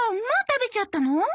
もう食べちゃったの？